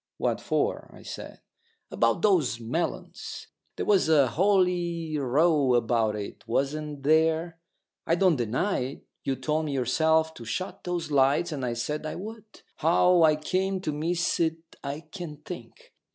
"What for?" I said. "About those melons. There was a holy row about it, wasn't there? I don't deny it. You told me yourself to shut those lights, and I said I would. How I came to miss it I can't think.